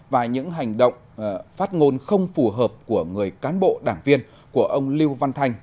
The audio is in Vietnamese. và những hành động phát ngôn không phù hợp của người cán bộ đảng viên của ông lưu văn thanh